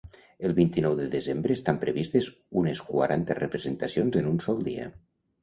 El vint-i-nou de desembre estan previstes unes quaranta representacions en un sol dia.